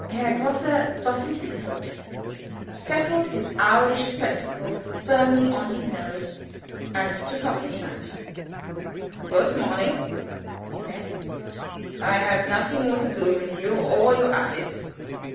Herr Grosse buttoned his coat, settled his owlish spectacles firmly on his nose, and took up his hat. "Goot morning," he said. "I have nothing more to do with you or your eyes.